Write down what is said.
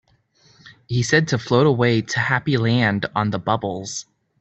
He said to float away to Happy Land on the bubbles.